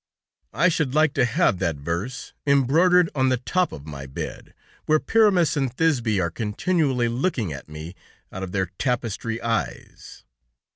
"I should like to have that verse embroidered on the top of my bed, where Pyramus and Thisbe are continually looking at me out of their tapestry eyes.